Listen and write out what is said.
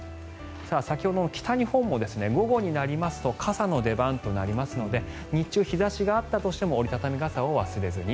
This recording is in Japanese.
先ほどの北日本も午後になりますと傘の出番となりますので日中、日差しがあったとしても折り畳み傘を忘れずに。